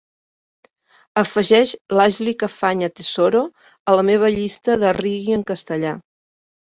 Afegeix l'Ashley Cafagna Tesoro a la meva llista de reggae en castellà